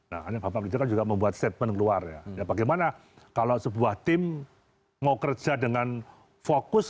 nah ini bapak presiden juga membuat statement keluar ya bagaimana kalau sebuah tim mau kerja dengan fokus